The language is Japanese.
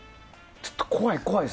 ちょっと怖い、怖い。